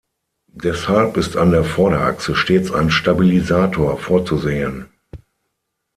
Deshalb ist an der Vorderachse stets ein Stabilisator vorzusehen.